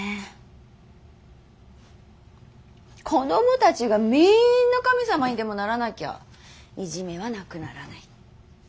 子供たちがみんな神様にでもならなきゃいじめはなくならない。